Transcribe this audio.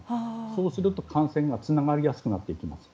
そうすると感染がつながりやすくなっていきます。